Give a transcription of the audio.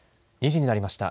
２時になりました。